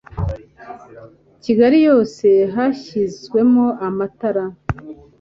kigali yose bashyizemo amatara